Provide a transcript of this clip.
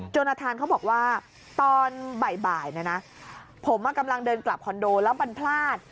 อาคารเขาบอกว่าตอนบ่ายนะนะผมกำลังเดินกลับคอนโดแล้วมันพลาด